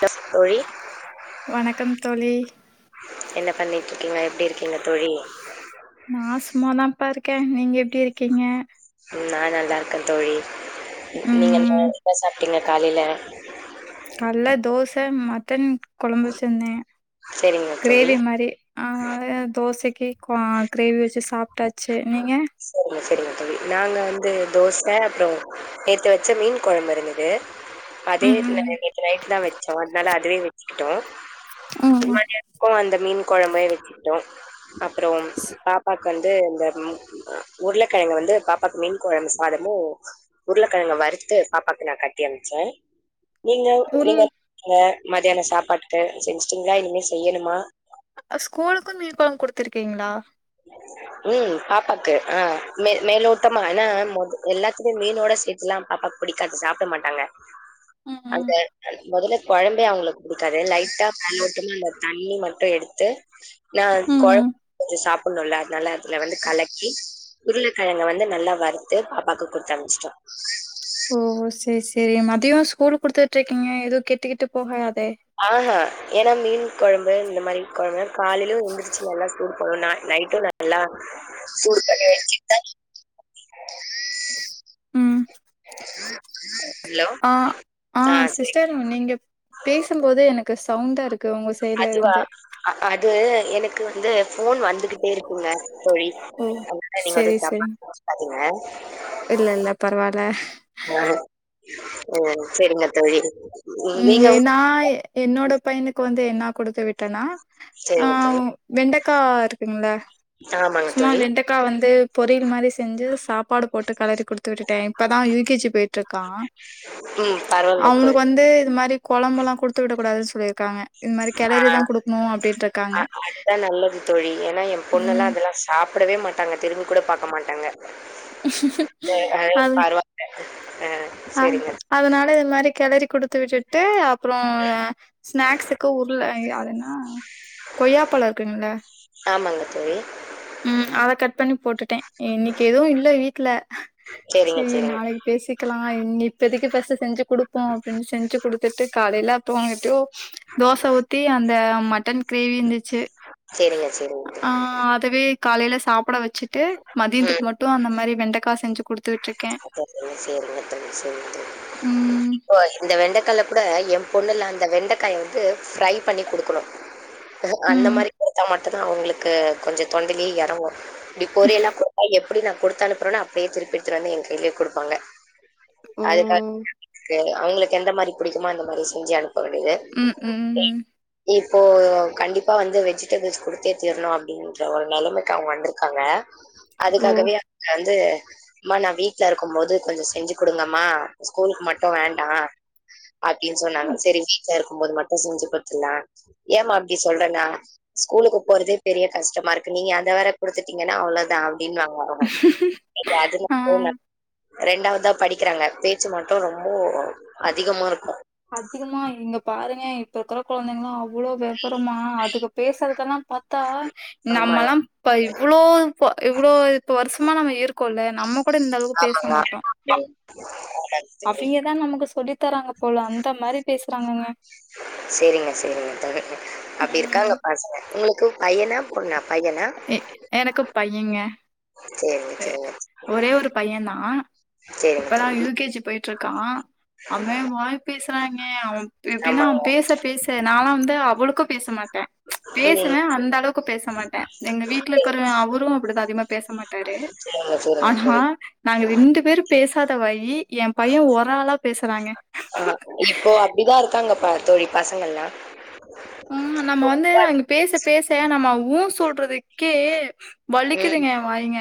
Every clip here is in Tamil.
தஸ் தோழி வணக்கம் தோழி என்ன பண்ணிட்டு இருக்கீங்க எப்டி இருக்கீங்க தோழி நா சும்மாதான்ப்பா இருக்க நீங்க எப்டி இருக்கீங்க நா நல்லா இருக்க தோழி நீங்க ந ம் என்ன சாப்ட்டீங்க காலையில கால்ல தோச மட்டன் குழம்பு செஞ்ச சரிங்க தோழி கிரேவி மாரி அ தோசைக்கு கிரேவி வச்சு சாப்ட்டாச்சு நீங்க சரிங்க சரிங்க தோழி நாங்க வந்து தோச அப்பறோ நேத்து வச்ச மீன் குழம்பு இருந்தது அதே ம் ம் நேத் நைட் தா வச்சோ அதனால அதுவே வச்சுக்கிட்டோ ம் இப்ப அந்த மீன் குழம்பையே வச்சுட்டோ அப்பறோ பாப்பா வந்து இந்த உருளக்கிழங்க வந்து பாப்பாக்கு மீன் குழம்பு சாதமு உருளக்கிழங்க வறுத்து பாப்பாவுக்கு நா கட்டி அனுப்ச்ச நீங்க உள் நீங்க எப்டி இருக்கீங்க மத்தியான சாப்பாட்டுக்கு செஞ்சுட்டீங்களா இனிமே செய்யணுமா ஸ்கூலுக்கு மீன் குழம்ப குடுத்திருக்கீங்களா ம் பாப்பாக்கு ஆ மேலோட்டமா ஆனா எல்லாத்துக்கு மீனோட சேர்த்துள்ளா பாப்பாக்கு பிடிக்காது சாப்ட மாட்டாங்க ம் அந்த முதல்ல குழம்பே அவங்களுக்கு புடிக்காது லைட்டா மெலோட்டுமா அந்த தண்ணி மட்டு எடுத்து நா ம் குழம்ப ம் ஊத்தி சாப்டணும்ல அதுனால அதுல வந்து கலக்கி உருளக்கிழங்க வந்து நல்லா வறுத்து பாப்பாக்கு குடுத்த அனும்ச்சுட்டோ ஓ சேரி சரி மதியோ ஸ்கூல் குடுத்துட்டு இருக்கீங்க எதுவு கெட்டுக்கிட்டு போகாதே ஏன்னா மீன் குழம்பு இந்த மாரி குழம்பு காலையிலு எந்திரிச்சு நல்லா சூடுபண்ணனு நைட்டு நல்லா சுடு பண்ணி வைச்சி கிட்டா ம் ஹலோ ஆ ஆ சிஸ்டர் நீங்க பேசும்போதே எனக்கு சவுண்டா இருக் அதுவா அ அது எனக்கு வந்து ஃபோன் வந்துகிட்டே இருக்குங்க தோழி ஓ அதனால நீங்க எது செரி தப்பா செரி நனச்சுக்காதீங்க இல்ல இல்ல பரவால்ல ஆ ஓ செரிங்க தோழி ம் நீங்க ஏ வந்து- நா என்னோட பையனுக்கு வந்து என்ன கொடுத்து விட்டேனா ஆ சரிங்க தோழி வெண்டக்கா. இருக்குங்கள ஆமாங்க சும்மா தோழி வெண்டக் க்கா வந்து பொரியில் மாரி செ செஞ்சு சாப்பாடு போட்டு களறி கொடுத்து விட்டுடே இப்பதா யு கே ஜி போயிட்டுருக்கா ம் பரவால்ல தோழி வந்து இது மாரி கொழம்பல்லா கொடுத்து விடக் கூடாதுன் சொல்லிருக்காங்க ஆ அதுதா நல்லது தோழி ஏன்னா எ பொண்ணு எல்லா ம் அதல்லா சாப்டவே மாட்டாங்க திரும்பி கூட பாக்க மாட்டாங்க எ அ வரு அ ஆ அதனால இது மாரி கெளரி குடுத்து விட்டுட் டு அப்புறோ ஸ்நாக்ஸுக்கு உருல அதுன்னா கொய்யாப்பழ இருக்குங்கள ஆமாங்க தோழி ம் அத கட் பண்ணி போட்டுட்டே இன்னைக்கு எதுவு இல்ல வீட்டு்ல செரிங்க செரிங்க பேசிக்கலா இங்க இப்பதைக்கு பர்ஸ்ட் செஞ்சு கொடுப்போ அப்படின் செஞ்சு குடுத் த்துட்டு காலையில அப்பறோ எப்டியோ தோச ஊத்தி அந்த மட்டன் கிரேவி இருந்துச்சு சரிங்க சரிங்க தோழி. ஆ அதவே காலையில சாப்பட வச்சுட் ட்டு ம் மதியன்த்துக் மட்டு அந்த மாரி வெண்டக்க செஞ்சு கொடுத்து விட்ருக்கே [unintelligible] ம் போ இந்த வெண்டைக்கால்ல கூட எ பொண்ணுல்ல அந்த வெண்டைக்காய வந்து ஃப்ரை பண்ணி குடுக்கணு அந்த ம். மாரி குடுத்தா மட்டுதா அவங்களுக்கு கொஞ்ச தொண்டைலியே எறங்கு டிப் பொறியல்ல கொடுத்தா எப்படி நா கொடுத்த அனுப்புறேனா அப்படியே திருப்பிடுத்துட்டு வந்து எ கையிலயே கொடுப்பாங்க ஓ! அதுக்கா அவங்களுக்கு எந்த மாரி புிடிக்குமோ அந்த மாரி செஞ்சு அனுப்ப வேண்டியது ம், ம். இப்போ கண்டிப்பா வந்து வெஜிடபிள்ஸ் குடுத்தே தீரணு அப்படின் ற ஒரு நெலமைக்கு அவங்க வந்திருக்காங்க ஓ! அதுக்காகவே அவங்க வந்து அம்மா நா வீ ட்ல இருக்கும் போது கொஞ்ச செஞ்சு கொடுங்கம்மா ஸ்கூலுக்கு மட்டு வேண்டா அப்படின் சொன்னாங்க சரி வீட்டுல இருக்கும் போது மட்டும் செஞ்சு குத்துலா ஏமா அப்படி சொல்றேன்னா ஸ்கூலுக்கு போறதே பெரிய கஷ்டமா இருக்கு நீங்க அந்த வேர குடுத்துட்டீங்கன்னா அவ்வளோதா ப்டின் அவ ங்க ஆ. அஜிர்ன [inaudible] ரெண்டாவதா படிக்கிறாங்க பேச்சு மட்டு ரொம்போ அதிகமா இருக்கு அதிகமா இங்க பாருங்க இப்ப இருக்குற குழந்தைங்களா அவ்ளோ வெவரமா அதுக பேசுறதெல்லா பாத்தா ஆமாங்க நம்மல்லாம் இப்ப இவ்வளோ ப இவ்வளோ இப்ப வருஷமா நம்ம இருக் கோள்ள நம்ம கூட இந்த அளவுக் பேச மாட்டோம் ஆமாங்க. அவிங்கதா நமக்கு சொல்லி த்தராங்க போல அந்த மாரி பேஸ்றாங்கங்க சேரிங்க சேரிங்க தோழி அப்படி இருக்காங்க ம் பசங்க உங்களுக் எ எனக்கு பையங்க சரிங்க, எ சரிங்க. ஒரே ஒரு பைய தா சரிங்க இப்பதா தோழி. யு கே ஜி போயிட் ட்ருக்கா அவெ வாய் பேசுறாங்க அவ எப்டின்னா அவ ஆமாங்க. பேச பேச நாலா வந்து அவ்ளோக்கு பேச மாட்ட ம். பேசுவ அந்தளவுக்கு பேச மாட்ட வீட்ல இருக்குற அவரு அப்டிதா அதிகமா பேச மாட்டாரு சரிங்க, சரிங்க ஆனா தோழி. நாங்க ரெண் டு பேரு பேசாத வாயி ஏம் பைய ஒராளா பேசுறாங்க ஆ இப்போ அப்டிதா இருக்காங்க பா தோழி பசங்கள்லா ம் நம்ம வந்து அங்க பேச பேச நம்ம ஊ சொல்றதுக்கே ம். வலிக்கிதுங்க வாய்ங்க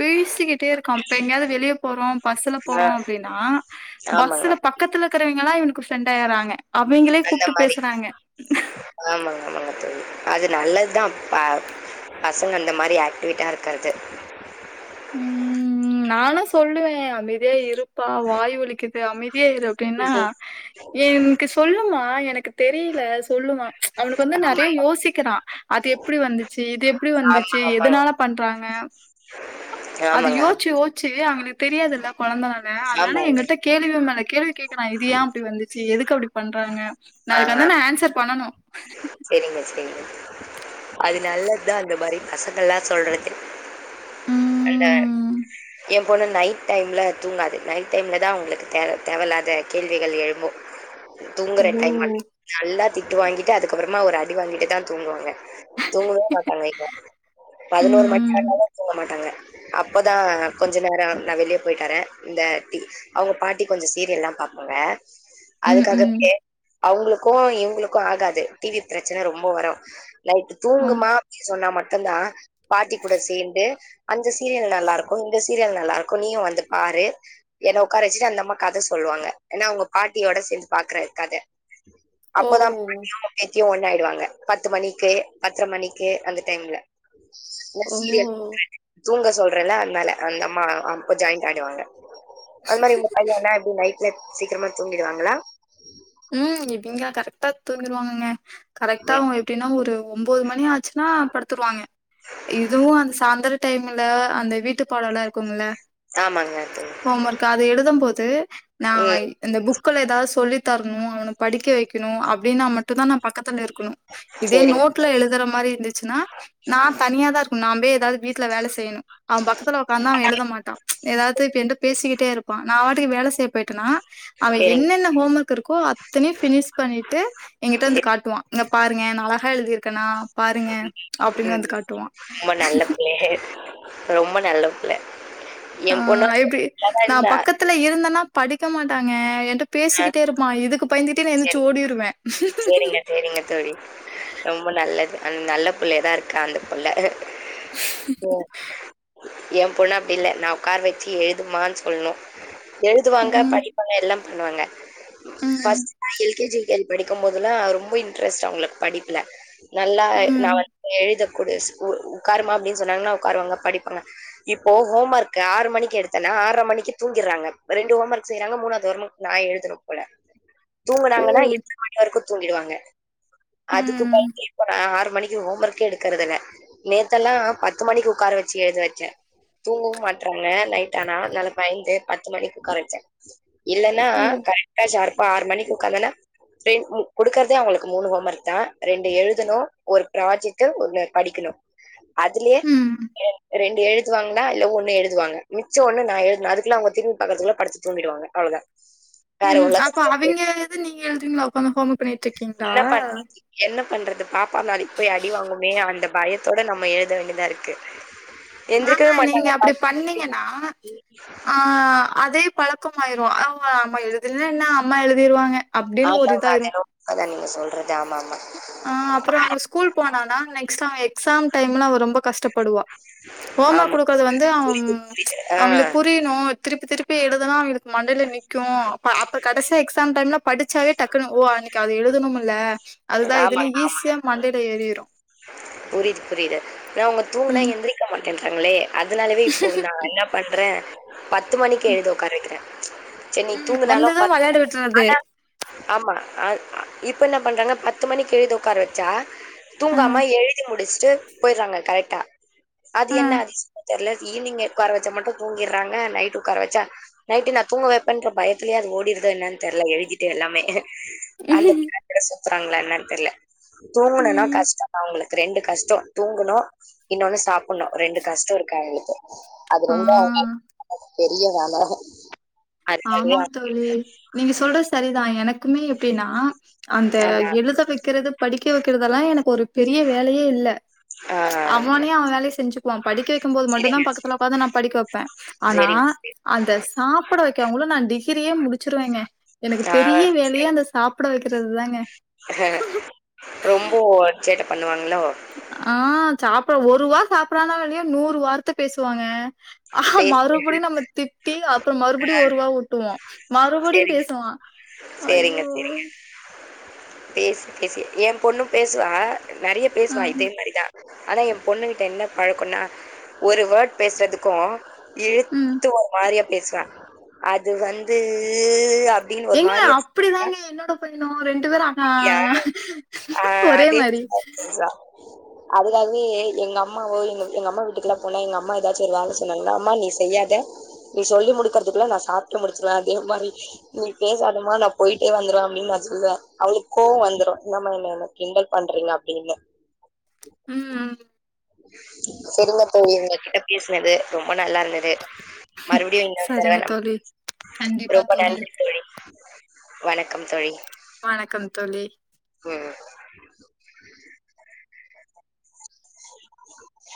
பேசிக்கிட்டே இருக்கா இப்ப எங்கயாவ்து வெளிய போறோ பஸ்சுல ஆ போறோ அப்டின்னா ஆமாங்க. பஸ்ஸுல பக்கத்ல இருக்குறவைங்களா இவனுக்கு ஃப்ரெண்ட் ஆய்றாங்க அவிங்களே கூப்ட்டு பேசுறாங்க ஆமாங் ஆமாங்க தோழி அது நல்லத்தா ப பசங்க அந்த மாரி ஆக்டிவிட்டா இருக்குறது ம் நானா சொல்லுவே அமைதியா இருப்பா வாய் வலிக் அமைதியா இரு அப்டின்னா என்க்கு சொல்லுமா எனக்கு தெரிய்ல சொல்லுமா அவனுக்கு வந்து நறைய யோசிக்கிறா அது எப்டி வந்துச்சி இது எப்டி ஆமா, வந்துச்சி ஆமாங்க. எதுனால பண்றாங்க அது ஆமாங்க. யோச்சு யோச்சு அவனு தெரியாதுல்ல கொழந்தனால அதனால ஆமாங்க. எங்கட்ட கேள்வி மேல கேள்வி கேக்குறா இது யா அப்டி வந்துச்சு எதுக்கு அப்டி பண்றாங்க நா அதுக்கு வந்த ஆன்சர் பண்ணனு செரிங்க செரிங்க அது நல்லத்தா இந்த மாரி பசங்கள்லா சொல்றது அந்த ம் ஏம் பொண்ணு நைட் டைம்ல தூங்காது நைட் டைம்ல தா அவ்ங்களுக்கு தே தேவ இல்லாத கேள்விகள் எழும்பு தூங்குற ஓ டைம் [inaudible] நல்லா திட்டு வாங்கிட்டு அதுக்கப்றமா ஒரு அடி வாங்கிட்டுதா தூங்குவாங்க தூங்கவே மாட்டாங்க பதினோர் மணி ம் ஆனாலு தூங்க மாட்டாங்க அப்போதா கொஞ்ச நேரொ நா வெளிய போயிட்டர இந்த டீ அவ்ங்க பாட்டி கொஞ்சொ சீரியல்லா பாப்பாங்க ம் ம் அதுக்காகவே அவ்ங்களுக்கு இவ்ங்களுக்கு ஆகா து டீவி ப்ரச்சன ரொம்ப வரு நைட்டு ம் தூங்குமா அப்டினு சொன்னா மட்டுந்தா பாட்டி கூட சேந்து அந்த சீரியல் நல்லா இருக்கு இங்த சீரியல் நல்லா இருக்கு நீயு வந்து பாரு என்ன ஒக்காரச்சுட்டு அந்த அம்மா கத சொல்லுவாங்க ஏன்னா அவங்க பாட்டியோட சேந்து பாக்குற கத ஓ அப்போதா பாட்டியு பேத்தியு ஒண்ணாய்டுவாங்க பத்து மணிக்கு பத்ர மணிக்கு அந்த டைம்ல ஓ சீரியல் [inaudible] தூங்க சொல்றல்ல அத்னால அந்த அம்மா அப்ப ஜாய்ண்ட் ஆய்டுவாங்க அது மாரி உங்க பையனா எப்டி நைட்ல சீக்கிரமா தூங்கிடுவாங்களா ம் இவிங்க கரெக்ட்டா தூங்கிருவாங்கங்க கரெக்ட்டா ம் அவ்ங்க எப்டின்னா ஒரு ஒம்போது மணி ஆச்சுன்னா படுத்துருவாங்க இதுவு அந்த சாந்தரொ டைம்ல அந்த வீட்டு பாடொல்லா இருக்குல்ல ஆமாங்க தோ ஓம் ஒர்க் அதைழ எழுதம் போது நா ம் இந்த புக்குல ஏதாவ் சொல்லி தர்ணு அவன படிக்க வெக்கணு அப்டின்னா மட்டு தா நா பக்கத்துல இருக்கணு இதே சேரிங்க நோட் ல எழுதுற மாரி இருந்துச்சுன்னா நா தனியா தா இருக்ணு நா போய் ஏதாவ்து வீட்ல வேல செய்யணு அவ பக்கத்துல ஒக்காந்தா அவெ எழுத மாட்டா ஏதாவ்து இப்ப ஏன்ட்ட பேசிக்கிட்டே இருப்பா நா வாட்டுக்கு வேல செய்ய போய்ட்டனா அவெ சேரிங்க என்னென்ன ஹோம் ஒர்க் இருக்கோ அத்தனையு ஃபினிஷ் பண்ணிட்டு எங்கிட்ட வந்து சேரி கா காட்டுவா இங்க பாருங்க நா அழஹா எழுதிர்க்கனா பாருங்க அப்டின்னு ம் வந்து காட்டுவா ரொம்ப நல்ல பிள்ளைய ரொம்ப நல்ல புள்ள என் பொண்ணோட நல்லா தா இருந்தா த்துல இந்தனா படிக்க மாட்டாங்க என்ட ஆ பேசிக்கிட்டே இருப்பா இதுக்கு பயந்துட்டே நா சோடிருவே சரிங்க தோழி ரொம்ப நல்லது அன் நல்ல பிள்ளை தா இருக் காந்தபள்ள என் பொண்ண அப்டி இல்ல நா உகார் வச்சு எழுதுமான் சொல்ணு எழுதுவாங்க ம் படிப்பாங்க எல்லா பண்ணுவாங்க ம் ஃபஸ்ட் எல்கேஜிே யூகேஜி படிக்கும்ப போதுல்லா ரொம்ப இன்ட்ரெஸ்ட் அவுங்களுக்கு படிப்புல நல்லா நா ம் வந்து எழுதக்கூடு ஸ்கூல் உட்காருமா அப்டின் சொன்னாங்கன்னா உட்காருவாங்க படிப்பாங்க இப்போ ஹோம் ஒர்க்கு ஆறு மணிக்கு எடுத்தனா ஆற்ர மணக்கு தூங்கிறாங்க ரெண்டு ஹோமர்க் செய்றாங்க மூனாது ஹோமர்க் நா எழுதனு போல ஓ தூங்கனாங்கனா எட்டு மணி வரைக்கு தூங்கிடுவாங்க அதுக்கு ம் பயந்து இப்ப நா ஆறு மணிக் கு ஹோமர்க்கே எடுக்கறதுல்ல நேத்தல்லா பத்து மணிக்கு உட்கார வச்சு எழுதி வச்ச தூங்கவு மாட்றாங்க நைட்டானா நால பயந்து பத்து மணிக்கு உக்கார வச்ச இலன்னா ஓ கரெக்டா ஷார்ப்பா ஆறு மணிக் உக்காந்தனா [unintelligible] குடுக்கறதே அவங்களுக்கு மூணு ஹோமர்க் தா ரெண்டு எழுதணு ஒரு ப்ராஜெக்ட்டு ஒன்னு படிக்கணும் அதுலேயே ம் ரெண் ரெண்டு எழு த்துவாங்லா இல்ல ஒன்னு எழுதுவங்க மிச்ச ஒன்னு நா எழுதுனு அது அவுங் திரும்பி பாக்கறந்துகுள்ள படுத்து துங்கிடுவாங்க அவ்ளோதா வேற ம் அப்ப உலகத்துல அவிங்க இது நீங்க எழுதுவிங்ளா ஏக்காந்து ஹோமர்க் பண்ணிட்ருக்கீங்ளா என்ன பண்றது என்ன பண்றது பாப்பா நாலைக்கு போய் அடிவாங்குமே அந்த பயத்தோட நம்ம எழுத வேண்டிதா இருக்கு ஆஹ எந்திரிக்கவே நீங்க மாட்டாங்க அப்டி பண்ணீங்கன்னா ஆ அதே பழக்கமாயிரு அவ் நம்ம எழுதுலனா என்ன அம்மா எழுதிடுவாங்க ஆமாங்க அது என்னவோ உண்மதா நீங்க சொல்றது ஆமா ஆமா ஆ அப்றோ அவன் ஸ்கூல் போனானா நெக்ஸ்ட் டு அவன் எக்ஸாம் டைம்ல அவ ரொம்ப கஷ்டப்படுவா ஹோமர்க் ஆமா குடுக்குறது வந்து அவ் ஆ அவங்குலுக் புரி னு திருப்பி திருப்பி எழுதுனா அனைங்களுக் மண்டல நிக்கு அப்ப கடைசியா எக்ஸாம் டைம்ல படிச்சாவே டக்குணு ஓ அன்னக்கி அது எழுதணுமல்ல அதுதா இதுன்னு ஆமாங்க ஈஸியா மண்டைல ஏறிரு புரிது புரிது னா அவுங்க தூங்குனா ம் எத்திரிக்க மாட்டேன்றாங்களே அதனாலவே இப்போ நா என்ன பண்ற பத்து மணிக்கு ம் எழுத ஒக்கார வக்கிற சேரி நீ ம் தூங்கினாலு வந்தது பத் வெளையாட விட்றது ஆனா ஆமா அ இப்ப என்ன பண்றாங்க பத்து மணிக்கு எழுத ஒக்கார வச்சா ஆ தூங்காம எழுதி முடிச்சுட்டு போய்றாங்க கரெட்டா அது ஆ என்ன அதிசயமோ தெர்ல ஈவினிங்க ஒக்கார வச்சா மட்டு தூங்கிட்றாங்க நைட்டு உக்கார வச்சா நைட்டு நா தூங்க வப்பேன்ற பயத்துலயே அது ஓடுது எனன் தெர்ல எழுதிட்டு எல்லாமே அந்த [unintelligible] சுத்துறாங்களா என்னன் தெர்ல தூங்குனன்னா ம் கஷ்டோ அவங்களுக்கு ரெண்டு கஷ்டோ தூங்கணு இன்னொன்னு சாப்புண்ணு ரெண்டு கஷ்டோ இருக்கு அவுங்களுக்கு அது ஆ ரெண்டு அவுங்க [unintelligible] பெரிய வேல அதுக்காவே ஆமாங் தோழி நீங்க சொல்றது சரிதா எனக்குமே எப்டின்னா அந்த அவங்க எழுத வக்கறது படிக்க வக்கிறதெல்லா எனக்கு ஒரு பெரிய வேலயே இல்ல ஆ அவனே அவ வேலைய செஞ்சுக்குவா படிக்க வக்கம்போது மட்டு தா செரிங்க பக்கத்துல உக்காந்து நா படிக்க வப்ப ஆனா செரிங்க செரி அந்த சாப்புட வக்கங்குள்ள நா டிகிரியே முடிச் சிருவங்க எனக்கு ஆ பெரிய வேலையே அந்த சாப்புட வக்கிறது தாங்க ரொம்போ சேட்ட பண்ணுவாங்களோ ஆ சாப்பிட ஒரு வா சாப்டுறானோ இல்லையோ நூறு வார்த்த பேசுவாங்க ஆ மறுபடியு நம்ம திட்டி அப்புறோ மறுபடியு ஒரு வா ஊட்டுவோ மறுபடியு பேசுவா சேரிங்க சேரிங்க பேசி பேசியே என் பொண்ணு பேசுவா நெறைய அ, பேசுவா இதே மாரிதா ஆனா என் பொண்ணு கிட்ட என்ன பழக்கோன்னா ஒரு வேர்ட் பேசுறதுக்கு ம். இழுத்து ஒரு மாரியா பேசுவா அது வந்து அப்டின்னு ஒரு எஏங்க மாரியா அப்டி தாங்க என்னோட பையனு ரெண்டு பேரும் ஆ ஆ ஒரே அதே மாறி மாதிரிதான் பேசுவா. அதுக்காகவே எங்க அம்மாவோ எங்க எங்க அம்மா வீட்டுக்குல்லா போனா எங்க அம்மா ஏதாச்சு ஒரு வேல சொன்னாங்கன்னா அம்மா நீ செய்யாத நீ சொல்லி முடிக்கறதுக்குள்ள நா சாப்பிட்டு முடிச்சிருவே அப்டிங்கமாறி நீ பேசாதமா நா போய்ட்டே வந்துருவே அப்டின்னு நா சொல்லுவே அவளுக்கு கோவோ வந்துரு என்னம்மா என்னய கிண்டல் பண்றீங்க அப்டின்னு ம் ம் செரிங்க தோழி உங்க கிட்ட பேசுனது ரொம்ப நல்லா இருந்தது மறுபடியு இன்னொரு தடவ சரிங்க நம் தோழி. ரொம்ப நன்றி தோழி வணக்கம் தோழி வணக்கம் தோழி ம்